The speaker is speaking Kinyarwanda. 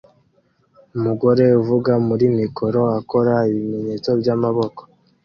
Umugore uvuga muri mikoro akora ibimenyetso byamaboko